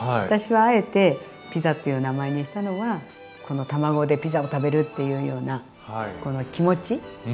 私はあえてピザっていう名前にしたのはこの卵でピザを食べるっていうようなこの気持ち。